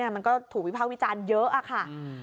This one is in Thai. มันก็ถูกวิภาควิจารณ์เยอะค่ะ